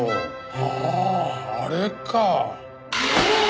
あああれか。